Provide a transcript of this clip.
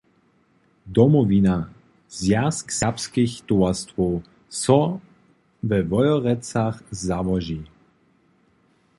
"Domowina – Zwjazk serbskich towarstwow" so we Wojerecach załoži.